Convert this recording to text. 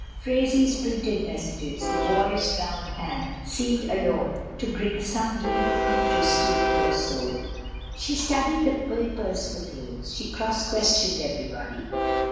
Phraisie's printed messages, the boys' round hand, seemed alone to bring some gleam of interest to the poor soul. She studied the papers for news; she cross questioned everybody.